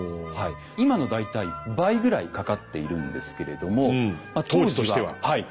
今の大体倍ぐらいかかっているんですけれども当時としてははい。